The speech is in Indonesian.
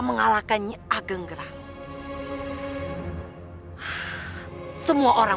menjadi muridnya ageng gerang